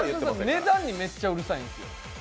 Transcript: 値段にめっちゃうるさいんです。